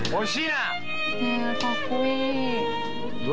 「ねえかっこいい」